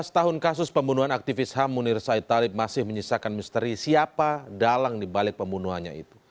tujuh belas tahun kasus pembunuhan aktivis ham munir said talib masih menyisakan misteri siapa dalang dibalik pembunuhannya itu